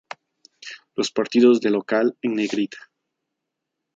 Los partidos de local en negrita.